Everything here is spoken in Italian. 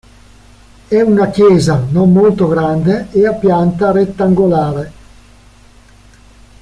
È una chiesa non molto grande e a pianta rettangolare.